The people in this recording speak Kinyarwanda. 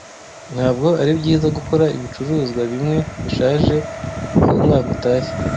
Ntabwo ari byiza gukora ibicuruzwa bimwe bishaje uko umwaka utashye.